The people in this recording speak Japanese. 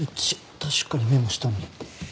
確かにメモしたのに。